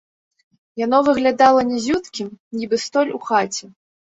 Яно выглядала нізюткім, нібы столь у хаце.